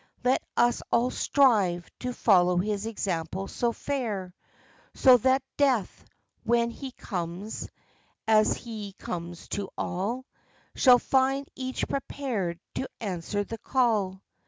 Let us all strive to follow his example so fair, So that death, when he comes, as he comes to all, Shall find each prepared to answer the call.